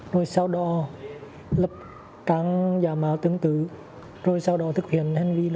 rồi sau đó lập trang giảm áo tương tự rồi sau đó thực hiện